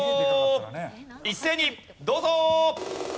一斉にどうぞ！